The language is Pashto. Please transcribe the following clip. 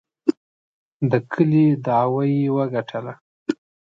د کلي دعوه یې وګټله.